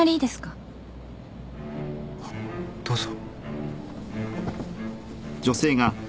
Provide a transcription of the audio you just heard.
あっどうぞ。